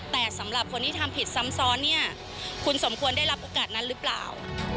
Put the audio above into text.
แต่สำหรับคนที่ทำผิดซ้ำซ้อนเนี่ยคุณสมควรได้รับโอกาสนั้นหรือเปล่า